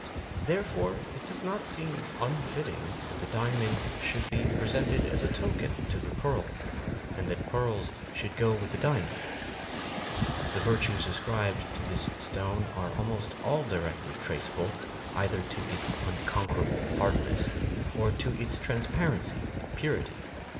Therefore it does not seem unfitting that the diamond should be presented as a token to the pearl, and that pearls should go with the diamond. The virtues ascribed to this stone are almost all directly traceable either to its unconquerable hardness or to its transparency and purity.